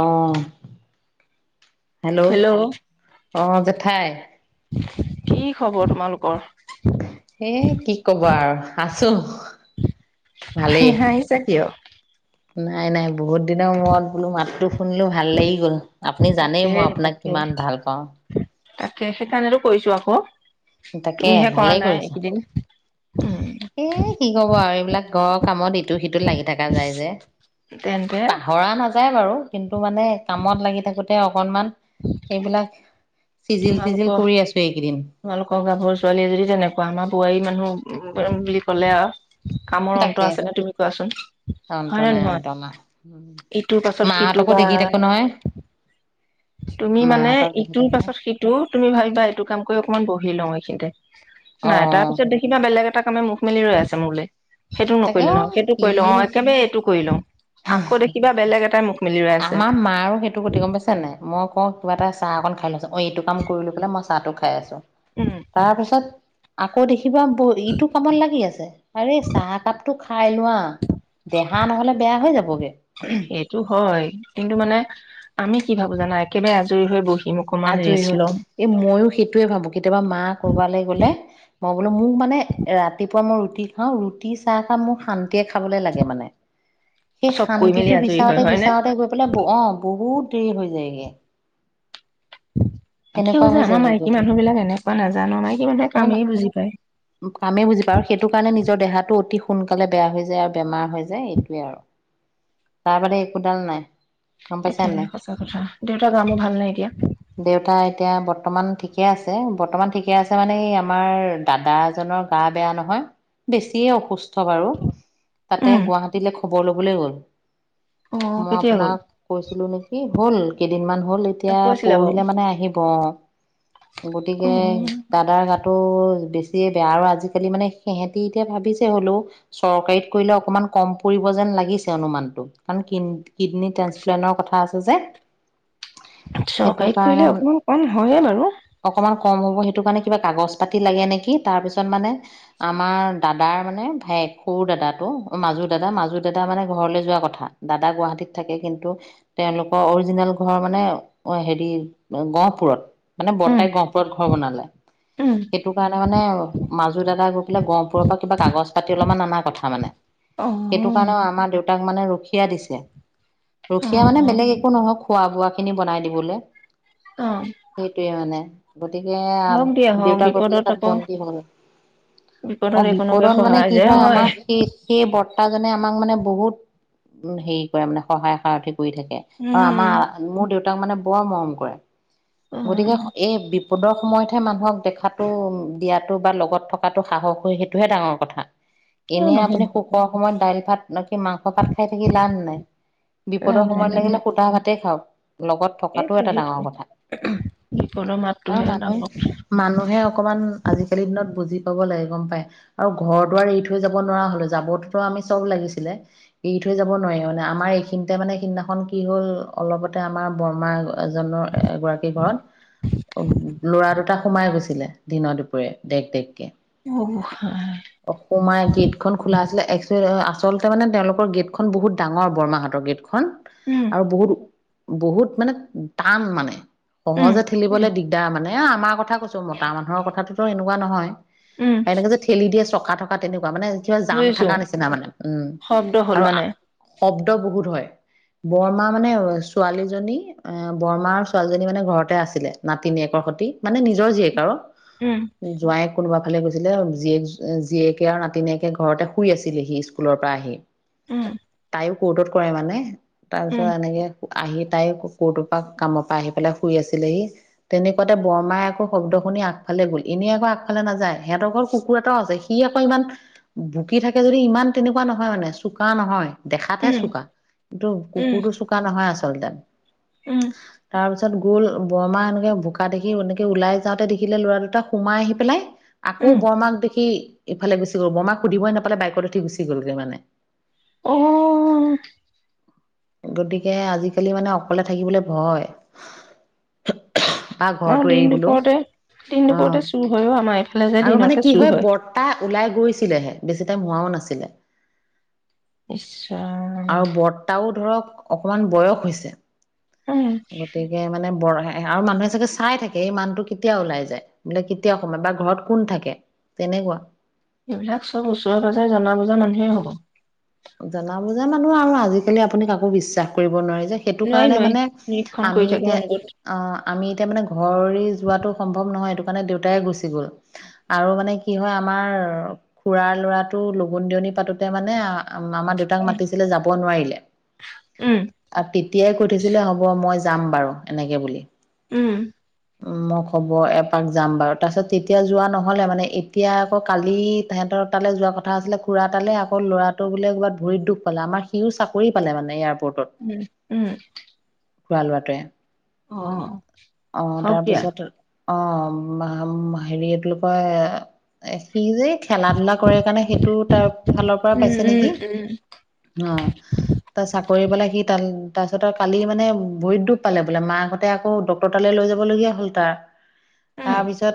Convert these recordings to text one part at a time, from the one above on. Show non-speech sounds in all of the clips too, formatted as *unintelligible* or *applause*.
অ'। Hello অ জেঠাই। কি খবৰ তোমালোকৰ? এ কি কব আৰু আছো ভালেই নাই-নাই। বহুত দিনৰ মূৰত বোলো মাতটো শুনিলো, ভাল লাগি গ'ল। আপুনি জানেই তাকে মই আপোনাক তাকে কিমান ভাল পাওঁ। তাকে সেইকাৰণেতো কৈছো আকৌ। তাকে তুমিহে কৰা ভালেই নাই কৰিছা, এইকেইদিন। এ কি কব আৰু বিলাক ঘৰৰ কামত ইটো সিটো লাগি থাকা যায় যে তেন্তে পাহৰা নাযায় বাৰু। কিন্তু মানে কামত লাগি থাকোতে। তেওঁক অকনমান এইবিলাক। চিজিল তিজিল কৰি আছো এইকেইদিন সৰু ছোৱালীয়ে যদি তেনেকুৱা আমাৰ বোৱাৰী মানুহ বুলি ক'লে আৰু কামৰ অন্ত তাকে আছে ন তুমি কোৱাচোন অন্ত হয় ন নাই নহয়? অন্ত নাই ইটোৰ পাছত সিটো মাহঁতকো বা দেখি থাকো নহয় তুমি মানে মাহঁতক দেখি ইটোৰ থাকো। পাছত সিটো তুমি ভাবিবা এইটো কাম কৰি অকনমান বহি লওঁ, এইখিনিতে অ নাই তাৰ পিছত দেখিবা বেলেগ। বেলেগ এটা কামে মুখ মেলি ৰৈ আছে মোলৈ। সেইটো তাকে নকৰিলে অ নহয়। সেইটো কৰিল অ ইয়ে একেবাৰে এইটো কৰি লওঁ আকৌ দেখিবা বেলেগ এটাই মুখ মেলি ৰৈ আছে। আমাৰ মাৰো সেইটো গতি গম পাইছে নাই। মই কওঁ কিবা এটা চাহ অকণ খাই লৈছোঁ‌। অ এইটো কাম কৰি লৈ পেলাই মই। চাহটো খাই আছোঁ। উম, তাৰপিছত আকৌ দে কিবা বহি ইটো কামত লাগি আছে। আৰে চাহ কাপ টো খাই লোৱা দেহা নহ'লে বেয়া হৈ যাবগে। সেইটো হয়। কিন্তু মানে আমি কি ভাবো জানা একেবাৰে আজৰি হৈ বহি। আজৰি হৈ গ'ল। এই ময়ো সেইটোয়ে ভাবো কেতিয়াবা মা কৰবালৈ গলে মই বোলো মোক মানে ৰাতি। ৰাতিপুৱা মই ৰুটি খাওঁ, ৰুটি চাহ কাম মোৰ শান্ত। লৈ খাবলৈ লাগে মানে? সেই চব কৰি মেলি শান্তিটো আজৰি হয়, বিচাৰতে, হয় নে? বিচাৰোতে গৈ পেলাই অ বহুত হৈ যায়গে কি তেনেকুৱা হয় যে হৈ আমাৰ যায়গে গৈ মাইকী থৈ মানুহ বিলাক এনেকুৱা নাজানো মাইকী মানুহে নহয় কামেই ন বুজি পায়। কামেই বুজি পায় আৰু সেইটো কাৰণে নিজৰ দেহাটো অতি সোনকালে বেয়া হৈ যায় আৰু বেমাৰ হৈ যায়। যে এইটোৱে আৰু। তাৰ বাদে একোডাল নাই। গম পাইছা সেইকাৰণে নাই সঁচা কথা দেউতা গা মূৰ ভাল নাই দেউতা এতিয়া। এতিয়া বৰ্তমান ঠিকে আছে, বৰ্তমান ঠিকে আছে মানে এই আমাৰ দাদা এজনৰ গা বেয়া নহয় বেছিয়ে অসুস্থ বাৰু তাতে উম, গুৱাহাটীলৈ খ খবৰ ল'বলৈ গ'ল অ' মই কেতিয়া গ'ল? আপোনাক কৈছিলো নেকি? হ'ল কেইদিনমান। হল এতিয়া কৈছিলে বাৰু পৰহিলে মানে আহিব অ গতিকে উম, দাদাৰ গাটো বেছ এ বেয়া আৰু আজিকালি মানে সিহেঁতি এতিয়া ভাবিছে হ'লেও চৰকাৰীত কৰিলে অকমান কম পৰিব যেন লাগিছে অনুমান। কাৰণ কিড কিডনীৰ ট্ৰেসপ্লেন্টৰ কথা আছে যে সেইটো চৰকাৰীত কৰিলে কাৰণে অকমান কম হয়ে বাৰু! অকণমান কম হ'ব সেইটো কাৰণে কিবা কাগজ পাতি লাগে নেকি তাৰ পিছত মানে আমাৰ দাদাৰ মানে ভাই সৰু দাদাটো মাজু দাদা- মাজু দাদা মানে ঘৰলৈ যোৱা কথ থা দাদা গুৱাহাটীত থাকে কিন্তু তেওঁলোকৰ অৰিজিনেল ঘৰ মানে অ হেৰি গহপুৰত। মানে উম, বৰ্তাই গহপুৰত ঘৰ বনালে। উম। সেইটোকাৰণে তাৰ মানে মাজু দাদা গৈ পেলাই গহপুৰৰ পৰা কিবা কাগজ পাতি অলপমান আনা কথা মানে। সেইটো অ', কাৰণেও আমাৰ দেউতাক মানে ৰখি খিয়া দিছে, ৰখিয়া মানে অ', বেলেগ একো নহয় খোৱা-বোৱাখিনি বনাই দিবলে। অ', সেইটোৱে মানে গতিকে, হওক দিয়া হওক দেউতা গৈ পেলাই বিপদত তাত আকৌ বন্দী হ'ল। অ' একোনোকে বিপদত মানে সহায় কি যে হয় আমাৰ সেই-সেই বৰ্ত তাজনে আমাক মানে বহুত উ হেৰি কৰে মানে সহায় সাৰথিত কৰি থাকে। আৰু উম। আমাৰ মোৰ দেউতা তাক মানে বৰ মৰম কৰে। গতিকে স অ', এই বি ভোটৰ সময়তহে মানুহক দেখাটো, দিয়াটো বা লগত থকাটো সাহস হয় সেইটোহে ডাঙৰ কথা। কিয় এনে নহয় আপুনি সুখৰ সময়ত দাইল-ভাত বাকী মাংস পাত খাই থাকি লাভ নাই। বিপদৰ লাভ নাই সময়ত লাভ লাগিলে নাই শুধা ভাতেই খাওক। লগত থকাটো সেইটোৱে এটা ডাঙৰ সেইটোৱে কথা বিপদৰ আৰু মাতটোহে ডাঙৰ কথা মানুহে-মানুহে অকমান আজিকালি দিনত বুজি পাব লাগে গম পায় আৰু ঘৰ দুৱাৰ আৰু এৰি থৈ যাব নোৱাৰা হলো যাবটোতো আমি চব লাগিছিলে এৰি থৈ যাব নোৱাৰি মানে আমাৰ এইখিনিতে মানে সিদিনাখন কি হ'ল অলপতে আমাৰ বৰমা এগ এজনৰ এগৰাকী ঘৰত অ' ল'ৰা দুট সোমাই গৈছিলে দিনৰ দুপৰীয়া দেখ -দেখ অ', গোসাঁই অখুমাই গেট খন খোলা আছিলে এক্সু আচলতে মানে তেওঁলৰ গেটখন বহুত ডাঙৰ বৰমাহাটৰ গেটখন। উম, খন আৰু বহুত ও বহুত মানে টান মানে উম, সহজে থেলিবলৈ দিগদাৰ মানে এ আমাৰ কথা কৈছো মতা মানুহৰ কথাটো এনেকুৱা নহয় উম, এনেকে যে ঠেলি দিয়ে চকা থকা বা তেনে মই মানে কিবা জাম বুজিছো থকা নিচিনা মানে উম শব্দ হ'ল 'আৰু মানে শব্দ বহুত হয়। বৰমা মানে ছোৱালীজনী, অ বৰমা ছোৱালীজনী মানে ঘৰতে আছিলে নাতিনীয়েকৰ সতি মানে নিজৰ জীয়েক উম, আৰু যোৱাই কোনোবা ফালে গৈছিলে জীয়েক জীয়েকে আৰু নাতিনীয়েকে ঘৰতে শুই আছিলহি স্কুলৰ পৰা আহি। উম তাইও ক'ৰ্টত কৰে মানে তাৰপিছত উম, এনেকে আহি তাই কুকুৰ দুপাক কামৰ পৰা আহি পেলাই শুই আছিলেহি তেনেকুৱাতে বৰমাই আকৌ শব্দ শুনি আগফালে গ'ল এনেই আক আগফালে নাযায় সিহতৰ ঘৰ কুকুৰ এটাও আছে সি আকৌ ইমান ভুকি থাকে যদি ইমান তেনেকুৱা নহয় মানে চোকা নহয় দেখাতহে উম, চোকা কিন্তু উম, কুকুৰতো চোকা নহয় আছে চলদন উম, তাৰপিছত তাৰপছত গ'ল বৰমা এনেকৈ বোকা দেখি এনেক ওলাই যওঁতে দেখিলে ল'ৰা দুটাক সোমাই আহি পেলাই আকৌ উম, বৰমাক দেখি ইফালে গুচি গল বৰমাক সুধিবই নাপালে বাইকত উঠি গুচি গলগৈ মানে। অঁ গতিকে আজিকালি মানে অকলে থাকিবলে ভয়। বা অ ঘৰটো দিন এৰিবলৈও দুপৰতে দিন অ দুপৰতে চুৰ হয়অ আমাৰ এইফালে যে আৰু মানে দিনতে কি চুৰ হয়। বৰ্তা ওলাই গৈছিলেহে বেছি টাইম হোৱাও নাছিলে। ইচ্ আৰু ৰাম বৰ্তাও ধৰক অকমান বয়স হৈছে। উম। গতিকে মানে বৰহাই আৰু মানুহে চাগে চাই থাকে এই মানুহটোৱে কেতিয়া ওলাই যায় বোলে কেতিয়া কমাই বা ঘৰত কোন থাকে তেনেকুৱা এইবিলাক চব ওচৰে পাজৰে জনা বুজা মানুহেই হব। জনা বুজা মানুহ আৰু আজিকালি আপুনি কাকো বিশ্বাস কৰিব নোৱাৰি সেইটো নোৱাৰি কাৰণে নোৱাৰি মানে নিৰীক্ষণ কৰি আমি থাকে এতিয়া অনবৰত - 'আমি এতিয়া মানে ঘৰ এৰি যোৱাটো সম্ভৱ নহয় মানে দেউতাই গুচি গ'ল। আৰু মানে কি হয় আমাৰ খুৰাৰ ল'ৰাটো লগোন দিয়নি পাতোতে মানে আমা দেউতাক মাতিছিলে যাব নোৱাৰিলে, উম আৰু তেতিয়াই কৈছিলে হ'ব মই যাম বাৰু এনেকে বুলি উম উ মই খবৰ এপাক যাম বাৰু। তাৰপিছত তেতিয়া যোৱা নহ'লে, মানে এতিয়া আকৌ কালি তেহেতৰ তালৈ যোৱা কথা আছিলে খুৰা তালৈ, আকৌ ল'ৰা তৰ বোলে ক'বাত ভৰিত দুখ পালে, আমাৰ সিও চাকৰি পালে মানে ইয়াৰ পা উম, উম। খুৰা লৰাটোৱে। অ অ' থাওক দিয়া। তাৰপিছত অ' ম-ম হেৰি এইটো লোকৰ সি যে খেলা ধুলা কৰে কাৰণে সেইটো তাৰ ফালৰ পৰা পাইছে। তেনেকি উম অ তা কৰি পেলাই সি তাত-তাৰপিছত আৰু কালি মানে ভৰিত দুখ পালে বোলে মাকহঁতে আকৌ ডক্তৰ তালৈ লৈ যাবলগীয়া হ'ল তাৰ। উম তাৰপিছত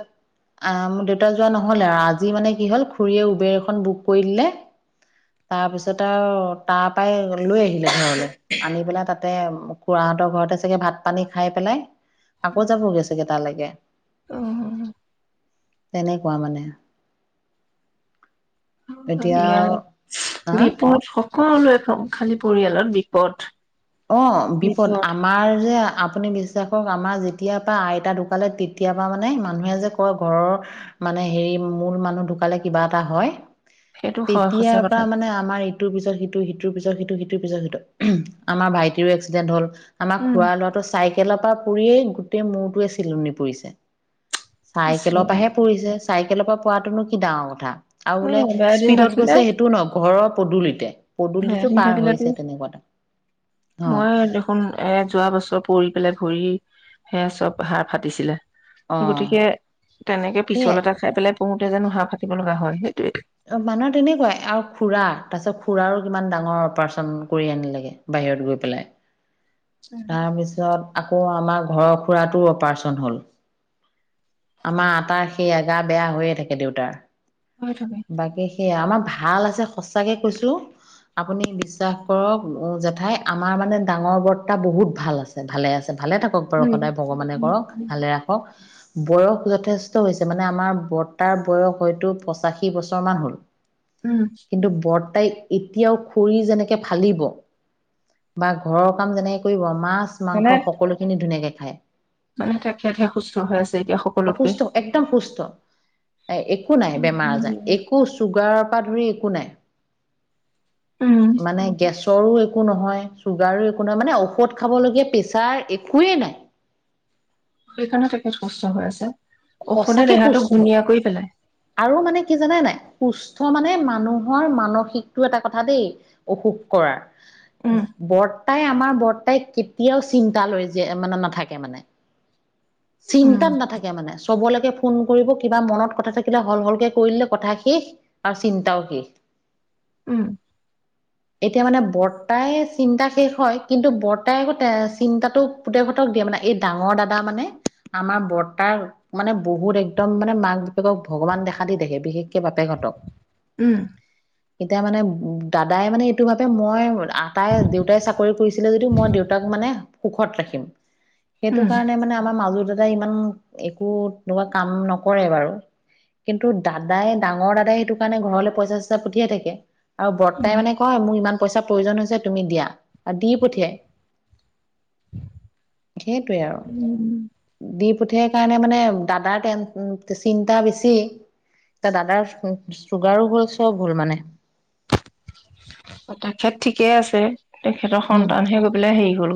আহ মোৰ দেউতা যোৱা নহলে আৰু আজি মানে কি হল খুৰীয়ে উবেৰ এখন বুক কৰি দিলে তাৰপিছত আৰু তাৰ পৰাই লৈ আহিলে ঘৰলৈ। আনি পেলাই তাতে খুৰাহঁতৰ ঘৰতে চাগে ভাত পানী খাই পেলাই আকৌ যাবগে চাগে। কিবা লাগে? অ' তেনেকুৱা মানে। এতিয়া ইয় হা বিপদ হক সকলোৱে ঠগ খালি পৰিয়ালত বিপদ। অ বিপদ আমাৰ যে আপুনি বিশ্বাস কৰক আমাৰ যেতিয়াৰ আইতা ঢুকালে তেতিয়াৰ পৰা মানে মানুহে যে কয় ঘৰৰ মানে হেৰি মূল মানুহ ঢুকালে কিবা এটা হয় সেইটো হয় সঁচা তেতিয়াৰ কথা পৰা মানে আমাৰ ইটোৰ পিছত সিটো সিটো সিটোৰ পিছত সিটো সিটোৰ পিছত সিটো। আমাৰ ভাইটিৰো এক্সিডেণ্ট হ'ল। আমাৰ উম খুৰা লৰাটোৰ চাই তেলৰ পৰা পৰিয়েই গোটেই মূৰটোৱে চিলনি পৰিছে। ইচ চাইকেলৰ ৰাম পৰাহে পৰিছে, চাইকেলৰ পৰা কোৱাটোনো কি ডাঙৰ কথা। আৰু বোলে সেয়াই বেয়া দিন স্পীডত থাকিলে গৈছে সেইটোও নহয় ঘৰৰ পদূলিতে! বেয়া পদূলিতো দিন পাৰ থাকিলেতো হৈছে তেনেকুৱাতে। অ মই দেখোন এ যোৱা বছৰ পৰি পেলাই ভৰি সেয়ে চব হাড় ফাটিছিলে। অ গতিকে তেনেকে সেয়ে পিছল এটা খাই পেলাই বহুতে যেন হাঁহ ফাটিব লগা হয় সেই মানুহৰ তেনেকুৱাই অ' অপাৰেছন কৰি আনিলেগে বাহিৰত গৈ পেলাই। তাৰপিছত আকৌ আমাৰ ঘৰৰ খুৰাটো অপাৰচন হল, আমাৰ আটাৰ সেই এগাৰ বেয়া হৈয়ে থাকে দেউতাৰ। হয় ছাগে। সে আমাৰ ভাল আছে সঁচাকে কৈছো। আপুনি বিশ্বাস কৰক। ও জেঠাই আমাৰ মানে ডাঙৰ বৰ টা বহুত ভাল আছে ভালে আছে। ভালে থাকক বাৰু উম সদায় ভগৱানে উম কৰক ভালে ৰাখক। বয়স যথেষ্ট হৈছে মানে আমাৰ বৰ্তাৰ বয়স হয়তো পঁচাশী বছৰ মান হ'ল। উম, কিন্তু বত তাই এতিয়াও খৰি যেনেকে ফালিব বা ঘৰৰ কাম যেনেকে কি কম? মাছ মানে মাংস সকলোখিনি ধুনীয়াকে হয়। *unintelligible* মানে তেখেতহে সুস্থ হৈ আছে এতিয়া সকলোতকে অসুস্থ? একদম সুস্থ। এ-একো নাই বেমাৰ-আজাৰ একো চুগাৰ পাধৰি একো নাই। উম মানে গেছ ৰো একো নহয় চুগাৰো একো নাই মানে কত খাবলগীয়া পেছাৰ একোৱেই নাই। সেইকাৰণে তেখেত সুস্থ হৈ আছে। ঔষধে সঁচাকে দেহাটো সুস্থ ঘূণীয়া কৰি পেলাই আৰু মানে কি জানে নাই সুস্থ মানে মানুহৰ মানসিক টো এটা কথা দেই অসুখ কৰাৰ। উম বৰ্তাই আমাৰ বৰ্তাই কেতিয়াও চিন্তা লৈ য মানে নাথাকে। মানে উম চিন্তাত নাথাকে মানে। কবলৈকে ফোন কৰিব কিবা মনত কথা থাকিলে হল হলকে কৰিলে কথা শেষ আৰু চিন্তাও শেষ। উম এতিয়া মানে বৰ্তাই চিন্তা শেষ হয় কিন্তু বৰ্তাই আকৌ চিন্তাটো পুতেহঁতক দিয়ে মানে এই ডাঙৰ দাদা মানে আমাৰ বৰ্তাৰ মানে বহুত একদম মানে মাক বাপেকক ভগৱান দেখা দি দেখে বিশেষকে বাপেকহঁতক। উম এতিয়া মানে দাদাই মানে এইটো ভাবে মই আটাই দেউতাই চাকৰি কৰিছিলে যদিও মই দেউতাক মানে সুখত ৰাখিম। সেইটো উম কাৰণে মানে আমাৰ মাজুল দাদা ইমান একো তেনেকুৱা কাম নকৰে বাৰু, কিন্তু দাদাই ডাঙৰ দাদাই সেইটো কাৰণে ঘৰলৈ পইচা- চইচা পঠিয়াই থাকে আৰু বৰ্তাই মানে কয় মোক ইমান পইচাৰ প্ৰয়োজন হৈছে তুমি দিয়া আৰু দি পঠিয়ায়। উম দি পঠিয়ে কাৰণ নেমানে দাদাৰে তেন চিন্তা বেছি টা দাদাৰ চুগাৰো হল চব হল মানে। তাখেত ঠিকে আছে। তেখেতৰ উম। সন্তানহে গৈ পেলাই হেৰি গ'ল।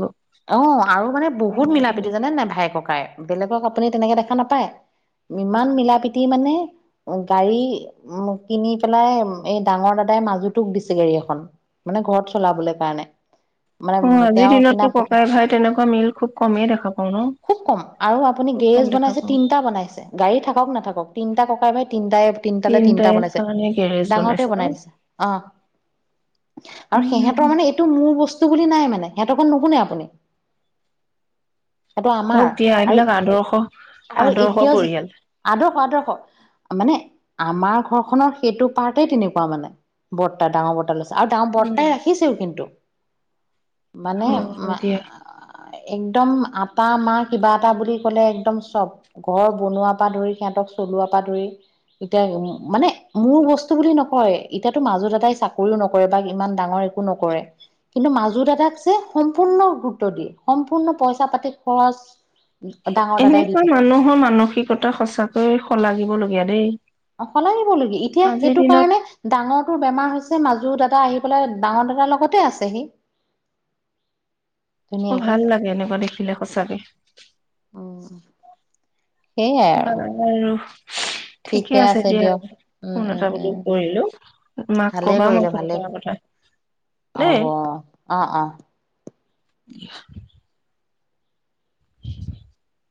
অ', আৰু মানে বহুত মিলা-প্ৰীতি হ'ল জানে নাই ভাই-ককায়েৰ? বেলেগক আপুনি তেনেকে দেখা নাপায়। ইমান মিলা-প্ৰীতি মানে গাড়ী উ কিনি পেলাই এই ডাঙৰ দাদাই মাজুটোক দিছে গাড়ী এখন, মানে ঘৰত চলাবলে কাৰণে। মানে অ তেওঁ আজিৰ ন কিনা ও। *unintelligible* ন খুব কম। আৰু আপুনি খুব কম গেৰেজ দেখা বনাইছে, পাওঁ তিনটা বনাইছে। গাড়ী থাকক-নাথাকক, তিনটা ককাই-ভাই তিনটায়ে- তিনটালৈ তিনিটা তিনটাই বনাইছে। কাৰণে গেৰেজ ডাঙৰতোৱে বনাইছে ন? বনাই দিছে। অ'। আৰু সিহঁতৰ মানে এইটো মোৰ ব স্তু বুলি নাই মানে। সিহঁতৰখন নুশুনে শনি। *unintelligible* হওক দিয়া এইবিলাক আদৰ্শ আৰু আদৰ্শ এতিয়াও যে পৰিয়াল। আদৰ্শ আদৰ্শ *unintelligible* মানে আমাৰ ঘৰখনৰ সেইটো পাৰতেই তেনেকুৱা মানে। বৰতা- ডাঙৰ বৰতা লৈছে আৰু ডাঙৰ বৰ্তাই ৰাখিছেও কিন্তু! মানে। হয় দিয়া। *unintelligible* একদম আটা মা কিবা এটা বুলি ক'লে একদম চব। ঘৰ বনোৱাৰ পৰা ধৰি সিহঁতক চলোৱাৰ পৰা ধৰি। এতিয়া মানে মোৰ বস্তু বুলি নকয়। এতিয়াতো মাজু দাদাই চাকৰিও নকৰে বা ইমান ডাঙৰ একো নকৰে। কিন্তু মাজু দাদাক যে সম্পূৰ্ণ গুৰুত্ব দিয়ে। সম্পূৰ্ণ পইচা-পাতি, খৰচ উম, ডাঙৰ দাদাই দি এনেকুৱা থাকে। মানুহৰ মানসিকতা সঁচাকৈয়ে শলাগিবল ইয়া দেই। অ', সলাই দিবলগি এতিয়া আজিৰ সেইটো দিনত কাৰণে ডাঙৰটোৰ বেমাৰ হৈছে মাজু দাদা এটা আহি পেলাই ডাঙৰ দাদাৰ লগতে আছেহি। অ', ভাল লাগে এনেকুৱা দেখিলে সঁচাকে। *inaudible* অ *inaudible* বাৰু, ঠিকেই ঠিকে আছে দিয়া দিয়ক উম ফোন উম এটা বোলো উম কৰিলোঁ। মাক ভালেই কবা মই কৰিলে ফোন ভালে কৰাৰ কথা হ'ব দেই। অ অ অ দিয়া। *inaudible*